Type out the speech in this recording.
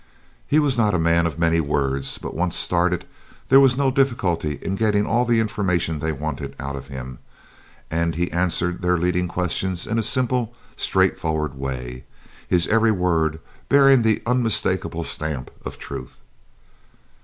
He was not a man of many words, but, once started, there was no difficulty in getting all the information they wanted out of him, and he answered their leading questions in a simple, straightforward way, his every word bearing the unmistakable stamp of truth.